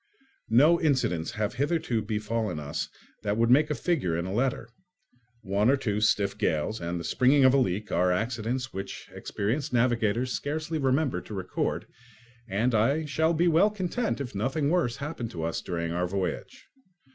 No incidents have hitherto befallen us that would make a figure in a letter. One or two stiff gales and the springing of a leak are accidents which experienced navigators scarcely remember to record, and I shall be well content if nothing worse happen to us during our voyage.